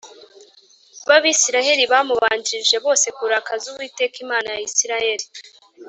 b’Abisirayeli bamubanjirije bose kurakaza Uwiteka Imana ya Isirayeli